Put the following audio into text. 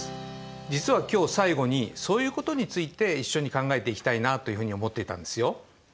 実は今日最後にそういうことについて一緒に考えていきたいなというふうに思っていたんですよ。